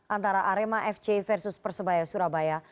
antara arema fc versus persebaya surabaya